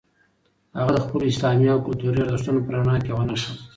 هغه د خپلو اسلامي او کلتوري ارزښتونو په رڼا کې یوه نښه وه.